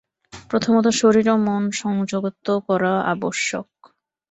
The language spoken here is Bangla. প্রথমত শরীর ও মন সংযত করা আবশ্যক।